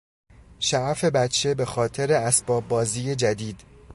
شعف بچه به خاطر اسباب بازی جدید